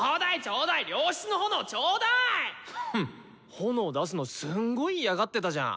炎出すのすごい嫌がってたじゃん。